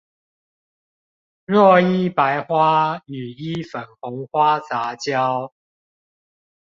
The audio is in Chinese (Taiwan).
若一白花與一粉紅花雜交